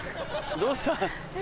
どうした？